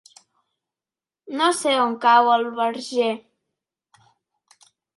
No sé on cau el Verger.